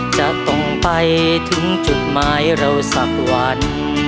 จะต้องไปถึงจุดหมายเราสักวัน